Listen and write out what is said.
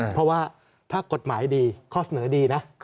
เพราะว่าถ้ากฎหมายดีข้อเสนอดีนะ